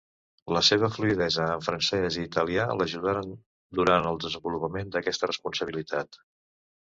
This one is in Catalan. La seva fluïdesa en francès i italià l'ajudaren durant el desenvolupament d'aquesta responsabilitat.